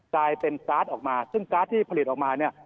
กลายเป็นการ์ดออกมาซึ่งการ์ดที่ผลิตออกมาเนี่ย